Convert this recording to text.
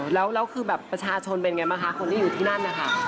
แล้วคือประชาชนเป็นอย่างไรไหมคะคนที่อยู่ที่นั่น